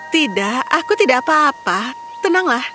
tidak aku tidak apa apa tenanglah